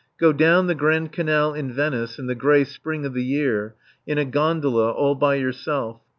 Go down the Grand Canal in Venice in the grey spring of the year, in a gondola, all by yourself.